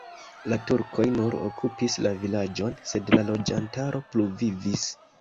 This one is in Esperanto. La turkoj nur okupis la vilaĝon, sed la loĝantaro pluvivis.